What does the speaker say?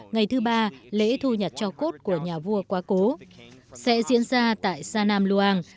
ngày thứ ba lễ thu nhật cho cốt của nhà vua quá cố sẽ diễn ra tại sa nam luang